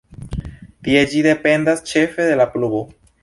Tie ĝi dependas ĉefe de la pluvo.